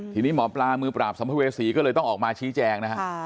ทีนี้หมอปลามือปราบสัมภเวษีก็เลยต้องออกมาชี้แจงนะฮะ